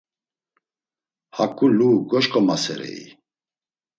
Haǩu lu gaşǩomaserei?